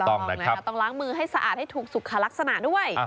ต้องล้างมือให้สะอาดให้ถูกสุขลักษณะด้วย